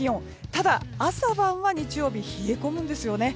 ただ、朝晩は日曜日冷え込むんですよね。